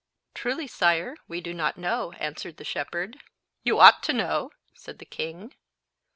"Truly, sire, we do not know," answered the shepherd. "You ought to know," said the king.